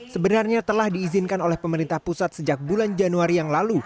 sebenarnya telah diizinkan oleh pemerintah pusat sejak bulan januari yang lalu